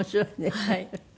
はい。